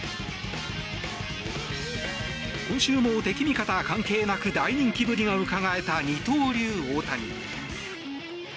今週も敵味方関係なく大人気ぶりがうかがえた二刀流、大谷。